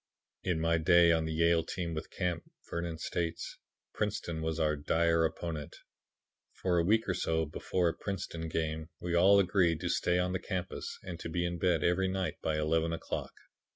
"In my day on the Yale team with Camp," Vernon states, "Princeton was our dire opponent. For a week or so before a Princeton game, we all agreed to stay on the campus and to be in bed every night by eleven o'clock.